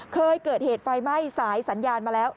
เคยเกิดเหตุไฟไหม้สายสัญญาณมาแล้ว